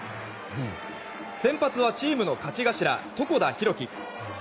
先発はチームの勝ち頭、床田寛樹。